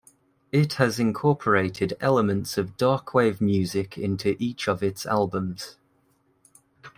It has incorporated elements of darkwave music into each of its albums.